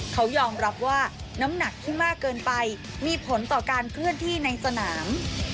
เขายอมรับว่าน้ำหนักที่มากเกินไปมีผลต่อการเคลื่อนที่ในสนาม